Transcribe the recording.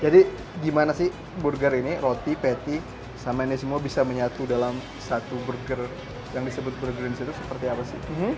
jadi gimana sih burger ini roti patty sama ini semua bisa menyatu dalam satu burger yang disebut burger in situ seperti apa sih